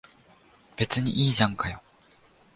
別にいいじゃんかよ。